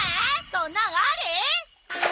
そんなんあり！？